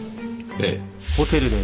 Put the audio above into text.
ええ。